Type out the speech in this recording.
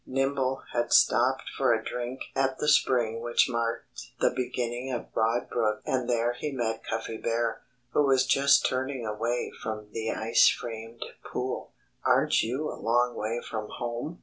Nimble had stopped for a drink at the spring which marked the beginning of Broad Brook and there he met Cuffy Bear, who was just turning away from the ice framed pool. "Aren't you a long way from home?"